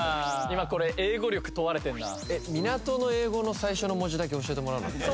今これ英語力問われてんな港の英語の最初の文字だけ教えてもらうのできる？